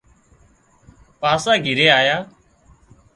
پاسا گھرِي آيا